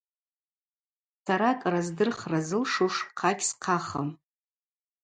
Сара кӏара здырхра зылшуш хъа гьсхъахым.